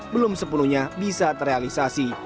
belum sepenuhnya bisa terrealisasi